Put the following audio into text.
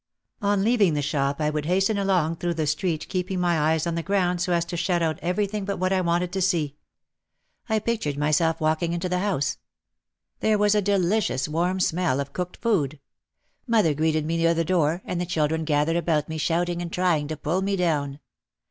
On leaving the shop I would hasten along through the street keeping my eyes on the ground so as to shut out everything but what I wanted to see. I pic tured myself walking into the house. There was a deli cious warm smell of cooked food. Mother greeted me near the door and the children gathered about me shout ing and trying to pull me down.